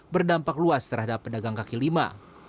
berdampak luas terhadap pedagang kaki lima